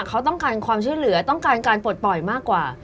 เขาต้องการความช่วยเหลือต้องการการปลดปล่อยมากกว่า